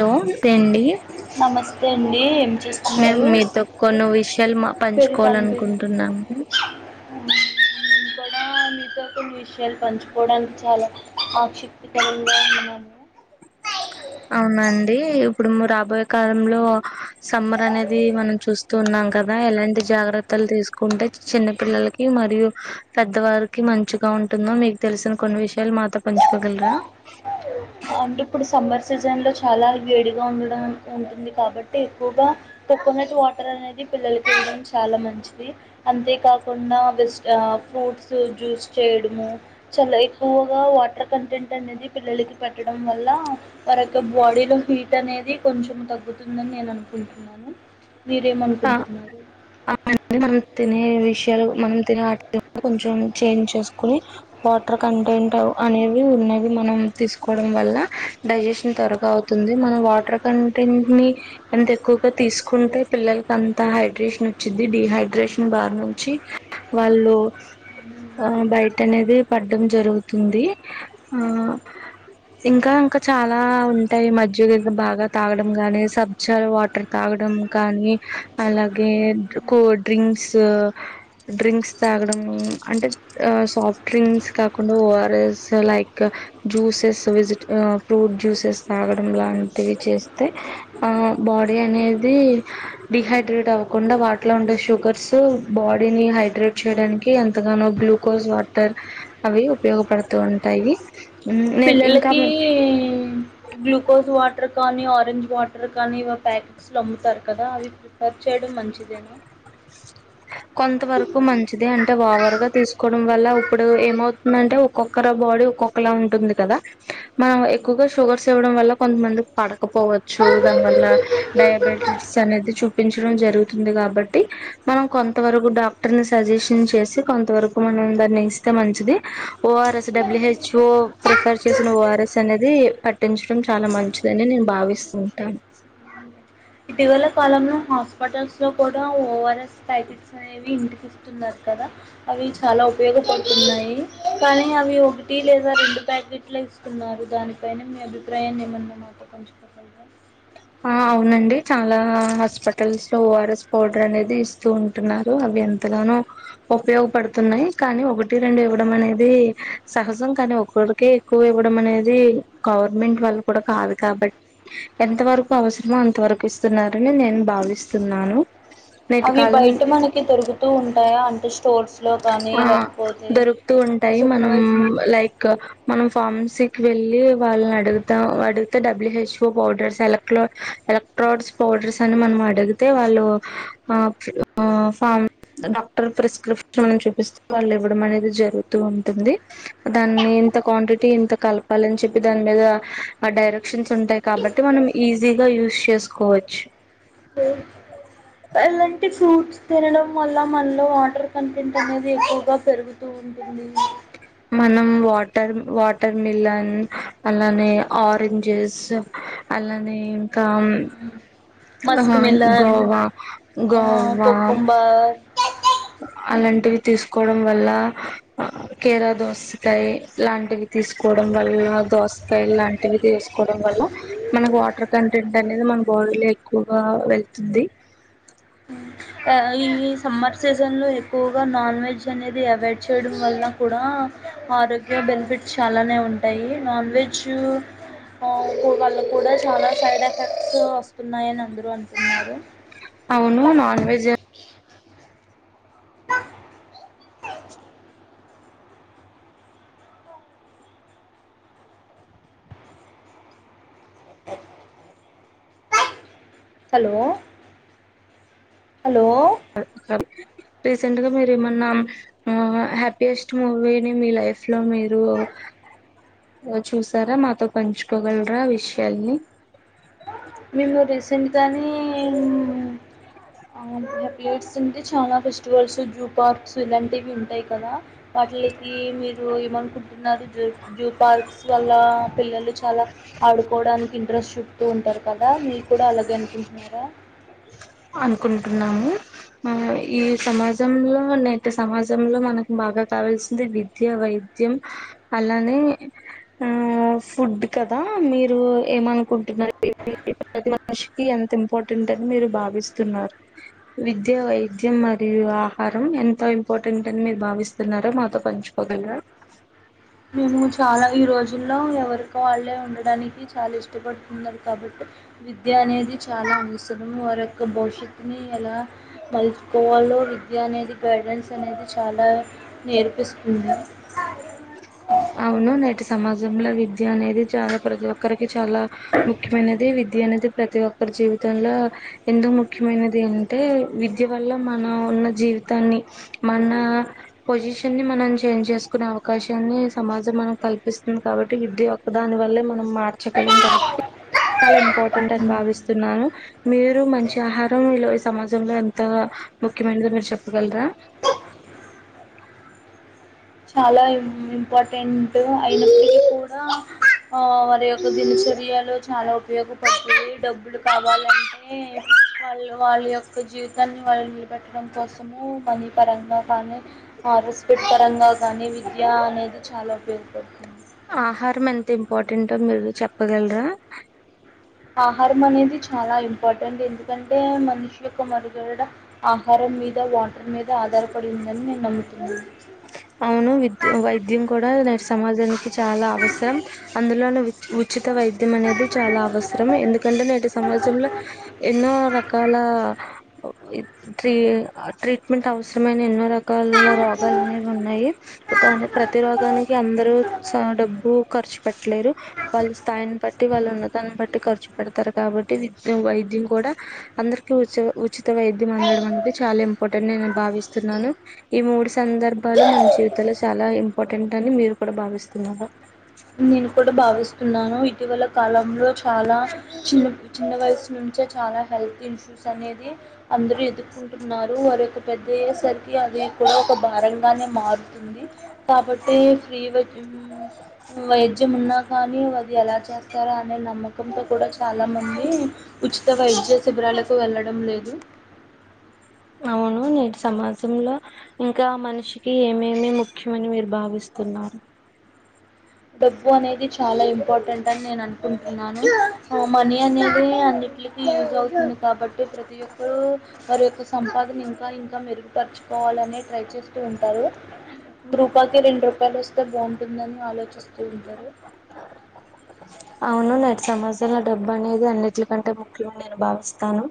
Hello టేండి నమస్తే అండి ఏం మేం చేస్తున్నారు మీతో కొన్ని విషయాలు మా పేరు తన్వి పంచుకోవాలనుకుంటున్నాము [inaudible] కూడా [inaudible] మీతో కొన్ని విషయాలు పంచుకోవడానికి చాలా ఆసక్తికరంగా ఉన్నాను [inaudible] అవునా అండి ఇప్పుడు రాబోయే కాలంలో సమ్మర్ అనేది మనం చూస్తూ ఉన్నాం కదా ఎలాంటి జాగ్రత్తలు తీసుకుంటే చిన్న పిల్లలకి మరియు పెద్దవారికి మంచి గ ఉంటుందో మీకు తెలిసిన కొన్ని విషయాలు మాతో పంచుకోగలరా అంటే ఇప్పుడు సమ్మర్ సీజన్ లో చాలా వేడిగా ఉండడం ఉంటుంది కాబట్టి ఎక్కువగా కొకోనట్ వాటర్ అనేది పిల్లలకి ఇవ్వడం చాలా మంచిది అంతే కాకుండా వెజ్ ఫ్రూట్స్ జ్యూస్ చే యడము ఎక్కువగా వాటర్ కంటెంట్ అనేది పిల్లలకి పెట్టడం వల్ల వారి యొక్క బాడీలో హీట్ అనేది కొంచెం తగ్గుతుందని నేను అనుకుంటున్నాను ఆ మీరేమనుకుంటున్నారు అవునండి మనం తినే విషయం మనం తినే వాటిలో కొంచెం చేంజ్ చేసుకుని వాటర్ కంటెంట్ అనేవి ఉ న్నది మనం తీసుకోవడం వల్ల డైజెషన్ త్వరగా అవుతుంది మనం వాటర్ కంటెంట్ ని ఎంత ఎక్కువగా తీసుకుంటే పిల్లల అంత హైడ్రేషన్ వచ్చింది డిహైడ్రేషన్ బారి నుంచి వాళ్ళు ఆ బయట అనేది పడ్డం జరుగుతుంది ఆ ఇంకా ఇంకా చాలా ఉంటాయి మజ్జిగ బాగా తాగడం గాని సబ్జా వాటర్ తాగ డం కానీ అలాగే కో డ్రింక్స్ డ్రింక్స్ తాగడం అంటే సాఫ్ట్ డ్రింక్స్ కాకుండా ఓఆర్ఎస్ లైక్ జ్యూసెస్ వెజిట ఫ్రూ ఫుడ్ జ్యూసెస్ తాగడం లాంటివి చేస్తే ఆ బాడీ అనేది డిహైడ్రేట్ అవ్వకుండా వాటిలో ఉండే షుగర్స్ బాడీని హైడ్రేట్ చేయడానికి ఎంతగానో గ్లూకోజ్ వాటర్ అవి ఉపయోగపడుతూ ఉంటాయి నే ఇంకా పిల్లలకి గ్లూకోజ్ వాటర్ కానీ ఆర్ ఆరెంజ్ వాటర్ కానీ ప్యాకెట్స్ లో అమ్ముతారు కదా అవి ప్రిఫర్ చేయడం మంచిదేనా కొంత వరకు మంచిదే అంటే ఓవర్గా తీసుకోవడం వల్ల ఇప్పుడు ఏమవుతుందంటే ఒక్కొక్కరు బాడీ ఒక్కొక్కలా ఉంటుంది కదా మనం ఎక్కువగా షుగర్స్ ఇవ్వడం వల్ల కొంతమందికి పడకపోవ చ్చు దాని వల్ల డయాబెటిస్ అనేది చూపించడం జరుగుతుంది గాబట్టి మనం కొంత వరకు డాక్టర్ ని సజెషన్ చేసి కొంతవరకు మనం దాన్ని ఇస్తే మంచిది ఎస్డ్యూహెచ్ఓ ప్రిఫర్ చేసిన ఓఆర్ఎస్ అనేది పట్టించడం చాలా మంచిదని నేను బా విస్తుంటాను ఇటీవల కాలంలో హాస్పిటల్స్ లో కూడా ఓఆర్ఎస్ ప్యాకెట్స్ అనేవి ఇంటికిస్తున్నారు కదా అవి చాలా ఉపయోగపడుతున్నాయి కానీ అవి ఒకటి లేదా రెండు ప్యాకెట్లు ఇస్తున్నారు దానిపైన మీ అభిప్రాయాన్ని ఏమన్నా మాతో పంచుకోగలరా ఆ అవునండి చాలా హాస్పిటల్స్ లో ఓఆర్ఎస్ పౌడర్ అనేది ఇస్తూ ఉంటున్నారు అవి ఎంతగానో ఉపయోగపడుతున్నాయి కానీ ఒకటి రెండు ఇవ్వడం అనేది సహజం కానీ ఒకరికి ఎక్కువ ఇవ్వడం అనేది గవర్నమెంట్ వాళ్ళు కూడా కాదు కాబట్టి ఎంతవరకు అవసరమో అంత వరకు ఇస్తున్నారని నేను భావిస్తున్నాను నేటి అవి కాలం బయట మనకి దొరుకుతూ ఉంటాయా అంటుష్ ఆ దొరుకుతూ ఉంటాయి మనం సూపర్వైజ్ మా లైకు మనం ఫార్మసికి వెల్లి వాళ్ళని అడుగుతాం అడుగుతే డబ్ల్యూహెచ్ఓ పౌడర్స్ సెలక్ లో ఎలక్ట్రాన్స్ పౌడర్స్ అని మనం అడిగితే వాళ్ళు ఆ ప ఫామ్ డాక్టర్ ప్రేస్క్రిప్ మనం చూపిస్తే వాళ్ళు ఇవ్వడం అనేది జరుగుతూ ఉంటుంది దాన్ని ఇంత క్వాంటిటీ ఇంత కలు ప్పాలని చెప్పి దాని మీద ఆ డైరెక్షన్స్ ఉంటాయి కాబట్టి మనం ఈజీగా యూస్ చేసుకోవచ్చు లేదు ఇలాంటి ఫ్రూట్స్ తినడం వల్ల మనలో వాటర్ కంటెంట్ అనేది ఎక్కువగా పెరుగుతూ ఉంటుంది లీ మనం వాటర్ వాటర్ మిలన్ అలానే ఆరెంజెస్ అలానే ఇంకా మస్క్ ఆ మిలన్ గోవా గోవా కోకుంబర్ అలాంటివి తీసుకోవడం వల్ల కేరా దోస్తకాయి లాంటివి తీసుకో డం వల్ల దోసకాయలు లాంటివి తీసుకోవడం వల్ల మనకి వాటర్ కంటెంట్ అనేది మన బోల్ ల ఎక్కువగా వెళ్తుంది ఊ ఆ ఈ సమ్మర్ సీజన్లో ఎక్కువగా నాన్ వెజ్ అనేది అవాయిడ్ చేయడం వల్ల కూడా ఆరోగ్య బెనిఫిట్స్ చాలానే ఉంటాయి నాన్ వెజు ఊ కు వాళ్ళు కూడా చాలా సైడ్ ఎఫెక్ట్స్ వస్తున్నాయని అందరూ అంటున్నారు అవును నాన్ వెజ్ హలో హలో అ హలో రీసెంట్ గా మీరు ఏమన్నా హ్యాపీయెస్ట్ మూవీని మీ లైఫ్ లో మీరు ఓ చూసారా మాతో పంచుకోగలరా ఆ విషయాల్ని మేము రీసెంట్ గానే అవును నెకెట్స్ అంటే చాలా ఫెస్టివల్స్ జూ పార్క్స్ ఇలాంటివి ఉంటాయి కదా ఆ అట్లయితే మీరు ఏమనుకుంటున్నారు బ్యూ జు పార్క్స్ వల్ల పిల్లలు చాలా ఆడుకోవడానికి ఇంట్రెస్ట్ చూప్తు ఉంటారు కదా మీరు కూడా అలాగే అనుకుంటున్నారా అనుకుంటున్నాము ఆ ఈ సమాజంలో నేటి సమాజంలో మనకు బాగా కావాల్సింది విద్య వైద్య ద్యం అలానే ఆ ఫుడ్ కదా మీరు ఏమనుకుంట టు ప్రతి మనిషికి ఎంత ఇంపార్టెంట్ అని మీరు భావి స్తున్నారు విద్య వైద్యం మరియు ఆహారం ఎంత ఇంపార్టెంట్ అని మీరు భావిస్తు న్నారో మాతో పంచుకోగలరా మేము చాలా ఈ రోజుల్లో ఎవరికి వాళ్ళే ఉండడానికి చాలా ఇష్టపడుతున్నారు కాబట్టి విద్య అనేది చాలా అవసరం వారి యొక్క భవిష్యత్తుని ఎలా మలుచుకోవాలో ఒ విద్య అనేది గైడెన్స్ అనేది చాలా నేర్పిస్తుంది అవును నేటి సమాజంలో విద్య అనేది చాలా ప్రతి ఒక్కరికి చాలా ముఖ్యమైనది విద్య విద్య అనేది ప్రతి ఒక్కరి జీవితంలో ఎంతో ముఖ్యమైనది అంటే విద్య వల్ల మనం ఉన్న జీవితాన్ని మన పొజిషన్ మనం చేంజ్ చేసుకునే అవకాశాన్ని సమాజం మనం కల్పిస్తుంది కాబట్టి విద్య యొక్క దాని వల్లే మనం మార్చగలం కాబట్టి చాలా ఇంపార్టెంట్ అని భావిస్తున్నాను మీరు మంచి ఆహారం ఈ సమాజంలో ఎంత ముఖ్యమైనది మీరు చెప్పగలరా చాలా ఇంపార్టెంట్ అయినప్పటికీ కూడా ఆ వారి యొక్క దినుసు చరియాలో చాలా ఉపయోగపడుతయి డబ్బులు కావాలంటే వాళ్ళు వాళ్ళ యొక్క జీవితాన్ని వాళ్ళు నిలబెట్టడం కోసము మనీ పరంగా కానే ఆ రెస్పెట్ పరంగా కాని కానీ విద్య అనేది చాలా ఉపయోగపడుతుంది ఆహారం ఎంత ఇంపార్టెంటట్ో మీరు చెప్పగలరా ఆహారం అనేది చాలా ఇంపార్టెంట్ ఎందుకంటే మనిషి యొక్క మనుగడ ఆహారం మీద వాటర్ మీద ఆధారపడి ఉందని నేను నమ్ముతున్నాను అవును విద్య వైద్యం కూడాడా నర్స్ సమాజానికి చాలా అవసరం అందులోని ఉచిత వైద్యం అనేది చాలా అవసరం ఎందుకంట ంట నటి సమాజంలో ఎన్నో రకాల ట్రీట్మెంట్ అవసరమైన ఎన్నో రకాల రోగాలు అనే ఉన్నాయి ప్రతి రోగానికి అందరుూ డబ్బు ఖర్చు పెట్టలేరు స్థాయిని బట్టి వాళ్ళు ఉన్న దాన్ని బట్టి ఖర్చు పెడతారు కాబట్టి వి వైద్యం కూడా అందరికి ఉచిత వైద్యం అందడం అనేది చాలా ఇంపార్టెంట్ నేను భావిస్తున్నాను ఈ మూడు సందర్భ పబలు మన జీవితంలో చాలా ఇంపార్టెంట్ అని మీరు కూడా భావిస్తున్నారు నేను కూడా భావిస్తున్నాను ఇటీవల కాలంలో చాలా చిన్న చిన్న వయసు నుంచి చాలా హెల్త్ ఇన్షూస్ అనేది అందరుూ ఎదుర్కొంటున్నారు వారి ఒక పెద్ద అయ్యేసరికి అదే ఒక భారంగానే మారుతుంది కాబట్టి ఫ్రీ వైద్యం ఉన్నా కానీ అది ఎలా చేస్తారా అనే నమ్మకంతో కూడా చాలా మంది ఉచిత వైద్య శిబిరాలకు వెళ్ళడం లేదు అవును నేటి సమాజంలో ఇంకా మనిషికి ఏమేమి ముఖ్యమని మీరు భావిస్తున్నారు అ డబ్బు అనేది చాలా ఇంపార్టెంట్ అని నేను అనుకుంటున్నాను ఆ మనీ అనేది అ ఇట్కి యూజ్ అవుతుంది కాబట్టి ప్రతి ఒక్కరుూ వారి యొక్క సంపాదన ఇంకా ఇంకా మెరుగుపరుచుకోవాలనే ట్రై చేస్తూ ఉంటారు రూపాకి రెండు రూపాయలు వస్తే బాగుంటుందని ఆలోచిస్తూ ఉంటారు అవును నేటి సమాజాంల డబ్బు అనేది అన్నింటికంటే ముఖ్యం నేను భావిస్తాను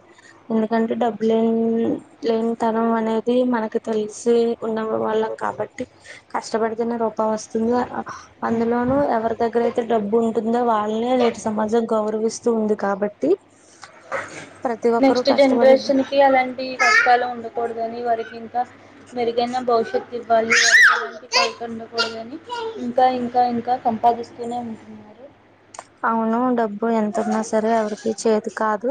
ఎందుకంటే లే న్ లేన్ తనం అనేది మనకు తెలిసి ఉన్న వాళ్ళం కాబట్టి కష్టపడితేనే రూపయీ వస్తుంది అందులోనుూ ఎవరి దగ్గర అయితే డబ్బు ఉంట ఉంటుంది వాళ్ళనే నేటి సమాజం గౌరవిస్తూ ఉంది కాబట్టి ప్రతి ఒక్కరూ నెక్స్ట్ కష్టపడి జనరేషన్ కి అలాంటి కష్టాలు ఉండ కూడదని వారికి ఇంకా మెరుగైన భవిష్యత్తు ఇవ్వాలి వకు ఉండకూడదని ఇంకా ఇంకా ఇంకా సంపాదిస్తూనే ఉంటున్నారు అవును డబ్బు ఎంత ఉన్నా సరే ఎవరికి చేతి కాదు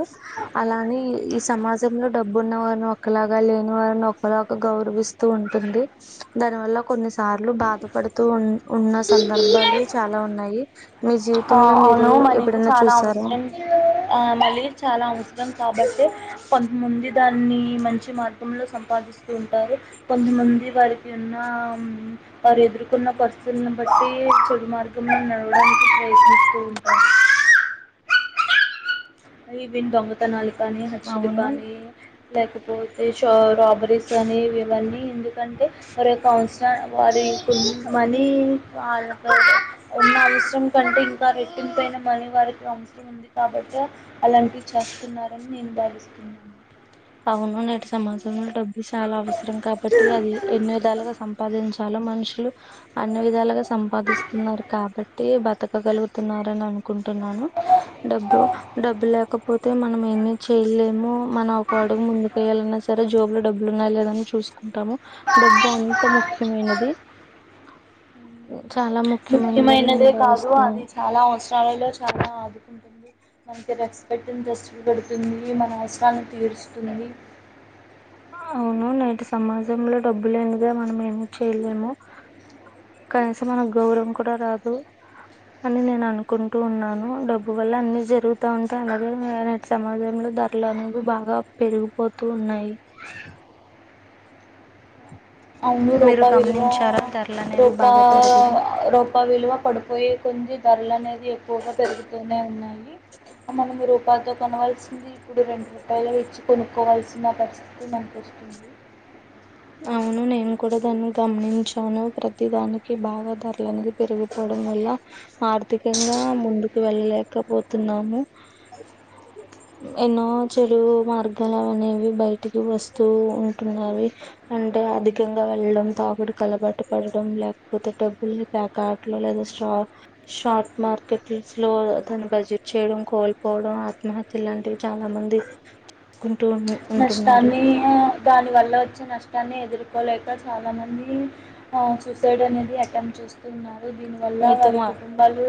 అలానే ఈ సమాజ లో డబ్బు ఉన్న వారిని ఒకలాగా లేని వారిని ఒకలాగా గౌరవిస్తూ ఉంటుంది దాని వల్ల కొన్ని సార్లు బాధపడుతూ ఉ ఉన్న సందర్భాలు చాలా ఉన్నాయి మీ ఆ జీవితంలో మీరు అవును మనకు ఎప్పుడన్నా చాలా చూసారా అవసరం ఆ మళ్ళీ చాలా అవసరం కాబట్టి కొంత మంది దాన్ని మంచి మార్గంలో సంపాదిస్తూ ఉంటారు కొంతమంది వారికి ఉన్న వారు ఎదుర్కొన్న పరిస్థితుల్ని బట్టి చెడు మార్గంంలో నడవడానికి ంట [unintelligible] ఈవిన్ దొంగతనాలు కానీ హత్యలు అవును కానీ లేకపోతే రాబరీస్ అనివి ఇవన్నీ ఎందుకంటే మరి కన్స్ట వారి కు మనీ వాళ్ళకు ఉన్న అవసరం కంటే ఇంకా రెట్టింపై మనీ వారికి అవసరం ఉంది కాబట్టి అలాంటివి చేస్తున్నారని నేను భావిస్తున్నాను అవును నేటి సమాజాంలో డబ్బు ఇది చాలా అవసరం కాబట్టి అది ఎన్ని విధాలుగా సంపాదించాలో మనుషి అన్ని విధాలుగా సంపాదిస్తున్నారు కాబట్టి బతకగలుగుతున్నారని అనుకుంటున్నాను డబ్బు డబ్బు లేకపోతే మనం ఏమి చేయలేము మన వాడుకు ముందుకు వెయాలన్నా సరే జబ్ డబ్బులు ఉన్నాయి లేదని చూసు ఉంటాము డబ్బు అంత ముఖ్యమైనది చాలా ముఖ్యమైనదని నేను ముఖ్యమైనదే కాదు అది భావిస్తున్నాను చాలా అవసరాలలో చాలా ఆదుకుంటుంది మనకి రెస్పెక్ట్ని టెస్ట్ లు పెడుతుంది మన అవసరాన్ని తీరుస్తుంది. అవును నేటి సమాజంలో డబ్బు లేనిద మనం ఏమి చేయలేము కనీసం మన గౌరవం కూడా రాదు అని నేను అనుకుంటూ ఉన్నాను డబ్బు వల్ల అన్ని జరుగుతా ఉంటేయి అలాగే నేటి సమాజంలో ధరలు అనేవి బాగా పెరిగిపోతూ ఉన్నాయి అవును మీరు రోపా విల్వ గమనించారా ధరలు అనేవి రోపా బాగా పెరగడం రోపా విలువ పడిపోయే కొద్ది ధరలు అనేవి ఎక్కువగా పెరుగుతూనే ఉన్నాయి మనం రూపాలతో కోనల్సింది ఇప్పుడు రెండు రూపాయలు ఇచ్చి కొనుక్కోవాల్సిన పరిస్థితి మానకు వస్తుంది. అవును నేను కూడా దాన్ని గమనించాను ప్రతి దానికి బాగా ధరలనేది పెరిగిపోవడం. వల్ల ఆర్థికంగా ముందుకు వెళ్ళలేకపోతున్నాము. ఎన్నో చెడు మార్గాలనేవి బయటికి వస్తూ ఉంటుంన్నావి అంటే అధికంగా వెళ్ళడం తాగుడుకు అలవటు పడడం లేకపోతే డబ్బుల్ని ప్యాకా ఆటలో లేద స్టాక్ స్టాక్ మార్కెట్స్ లో స్లోగ తాను బడ్జెట్ చేయడం కోల్పోవడం ఆత్మహత్యలు ఇలాంటివి చాలా మంది ఉంటున్నారు నష్టాన్ని దానివల్ల వచ్చే న ష్టాన్ని ఎదుర్కోలేక చాలా మంది ఆ సూసైడ్ అనేది అటెంప్ట్ చేస్తు ఉన్నా రు దీనివల్ల మీతో వారి మా కుటుంబాలు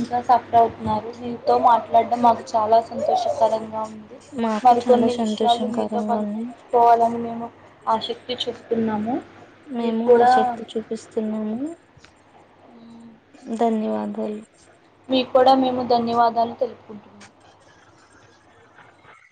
ఇంకా సఫర్ అవు తున్నారు మీతో మాట్లాడం మాకు చాలా సంతోషకరంగా ఉంది మాకు చాలా మరికొన్ని విష మీతో పా సంతోషకరంగా ఉన్నాయి పంచుకోవాలని మేము ఆశక్తి చూపుతూన్నాము. మేము ఆ శక్తి చూపిస్తున్నాము ధన్యవాదాలు మీకూడా మేము ధన్యవాదాలు తెలుపుకుంటున్నాము